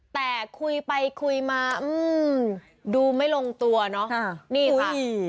แต่คุยไปคุยมาดูไม่ลงตัวเนาะ